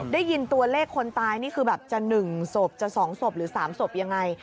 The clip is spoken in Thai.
ได้ยินตัวเลขคนตายนี่คือแบบจะ๑ศพจะ๒ศพหรือ๓ศพยังไง